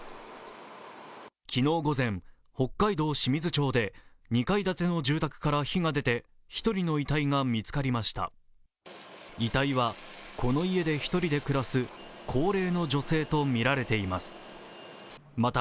昨日午前、北海道清水町で２階建ての住宅から火が出て１人の遺体が見つかりました。